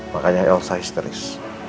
makanya elsa histeris